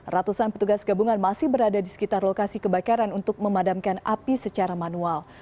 ratusan petugas gabungan masih berada di sekitar lokasi kebakaran untuk memadamkan api secara manual